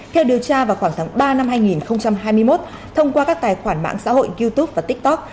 theo điều tra vào khoảng tháng ba năm hai nghìn hai mươi một thông qua các tài khoản mạng xã hội youtube và tiktok